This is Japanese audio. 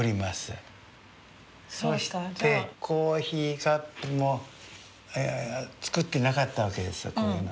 そしてコーヒーカップも作ってなかった訳ですよこういうの。